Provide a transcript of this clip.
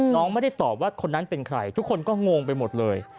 น้องไม่ได้ตอบว่าคนนั้นเป็นใครทุกคนก็งงไปหมดเลย